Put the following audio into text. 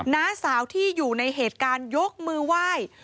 น้าสาวที่อยู่ในเหตุการณ์ยกมือไหว้